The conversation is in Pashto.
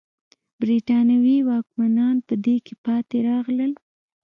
برېټانوي واکمنان په دې کې پاتې راغلل.